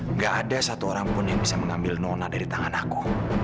enggak ada satu orang pun yang bisa mengambil nona dari tangan aku